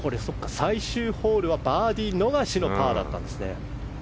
最終ホールはバーディー逃しのパーだったんですね。